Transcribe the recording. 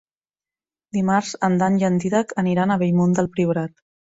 Dimarts en Dan i en Dídac aniran a Bellmunt del Priorat.